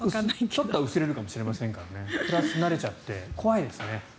ちょっとは薄れるかもしれませんがプラス慣れちゃっていて怖いですね。